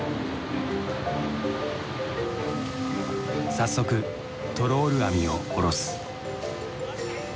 早速トロール網を下ろす。